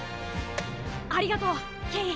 ありがとうケイ。